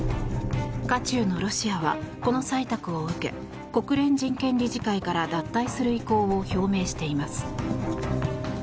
渦中のロシアはこの採択を受け国連人権理事会から脱退する意向を表明しています。